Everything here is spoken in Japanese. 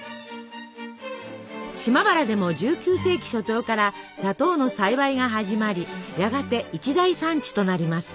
島原でも１９世紀初頭から砂糖の栽培が始まりやがて一大産地となります。